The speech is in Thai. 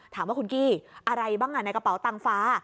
ถามว่าคุณกี้อะไรบ้างในกระเป๋าตังฟ้า